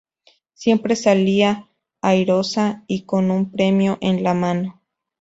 Siempre salía airosa y con un premio en la mano.